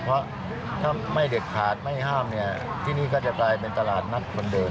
เพราะถ้าไม่เด็ดขาดไม่ห้ามเนี่ยที่นี่ก็จะกลายเป็นตลาดนัดเหมือนเดิม